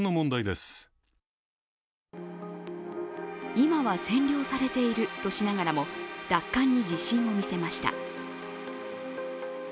今は占領されているとしながらも、奪還に自信を見せました。